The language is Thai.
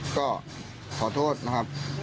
ก็ขอโทษนะครับ